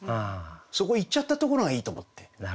そこ言っちゃったところがいいと思って。